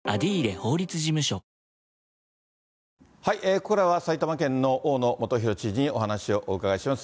ここからは埼玉県の大野元裕知事にお話をお伺いします。